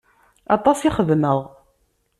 Aṭas i xedmeɣ.